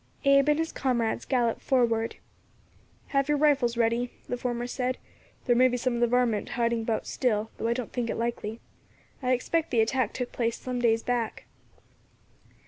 Abe and his comrades galloped forward. "Have your rifles ready," the former said; "there may be some of the varmint hiding about still, though I don't think it likely. I expect the attack took place some days back."